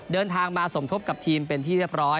เดินทางมาสมทบกับทีมเป็นที่เรียบร้อย